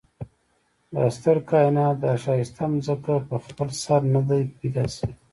دا ستر کاينات دا ښايسته ځمکه په خپل سر ندي پيدا شوي